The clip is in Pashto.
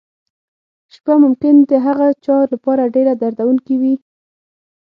شپه ممکن د هغه چا لپاره ډېره دردونکې وي.